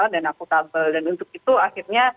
dan akutabel dan untuk itu akhirnya